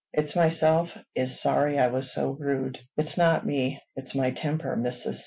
It's myself is sorry I was so rude. It's not me; it's my temper, mis'ess.